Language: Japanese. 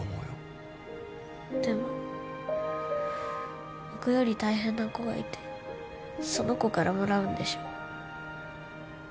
でも僕より大変な子がいてその子からもらうんでしょ？